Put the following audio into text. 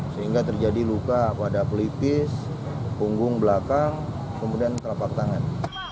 sehingga terjadi luka pada pelipis punggung belakang kemudian telapak tangan